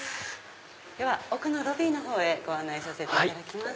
では奥のロビーのほうへご案内させていただきます。